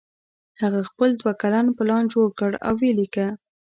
هغه خپل دوه کلن پلان جوړ کړ او ویې لیکه